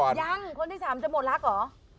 ยังคนที่สามจะหมดรักเหรอ